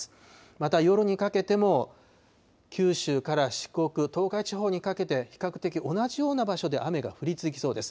また夜にかけても、九州から四国、東海地方にかけて、比較的同じような場所で雨が降り続きそうです。